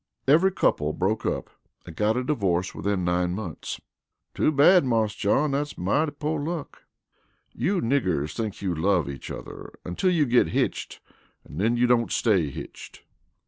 "Every couple broke up and got a divorce within nine months." "Too bad, Marse John, dat's mighty po' luck." "You niggers think you love each other until you get hitched and then you don't stay hitched."